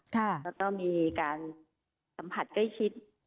แล้วก็มีการสัมผัสใกล้ชิด